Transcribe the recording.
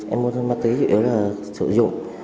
em mua ma túy chủ yếu là sử dụng